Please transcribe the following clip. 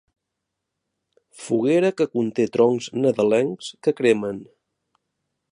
Foguera que conté troncs nadalencs que cremen.